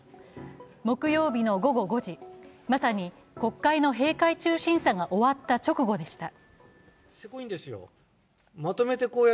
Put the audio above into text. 木曜日の午後５時、まさに国会の閉会中審査が終わった直後でした。